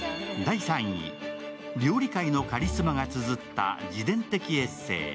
料理界のカリスマがつづった自伝的エッセー